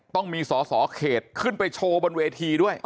ต้องมีสอสอเขตขึ้นไปโชว์บนเวทีด้วย